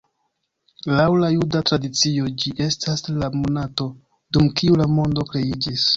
Laŭ la juda tradicio, ĝi estas la monato, dum kiu la mondo kreiĝis.